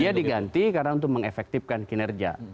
dia diganti karena untuk mengefektifkan kinerja